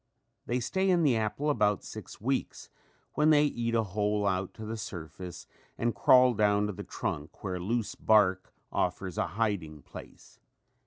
They stay in the apple about six weeks when they eat a hole out to the surface and crawl down to the trunk where loose bark offers a hiding place.